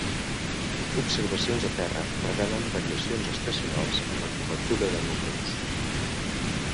Observacions a terra revelen variacions estacionals en la cobertura de núvols.